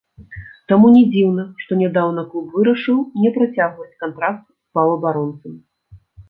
Таму не дзіўна, што нядаўна клуб вырашыў не працягваць кантракт з паўабаронцам.